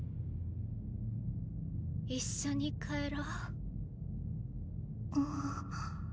一緒に帰ろう。